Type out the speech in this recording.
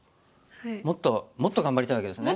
もっともっと頑張りたいわけですね。